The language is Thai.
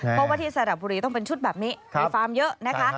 เพราะว่าที่สระบุรีต้องเป็นชุดแบบนี้มีฟาร์มเยอะนะคะ